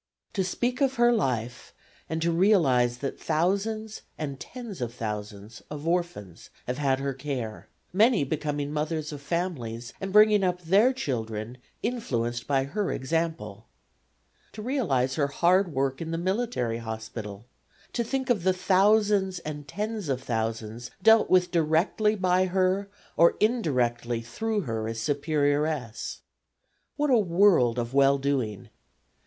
To speak of her life and to realize that thousands and tens of thousands of orphans have had her care, many becoming mothers of families and bringing up their children influenced by her example. To realize her hard work in the military hospital, to think of the thousands and tens of thousands dealt with directly by her or indirectly through her as superioress. What a world of well doing!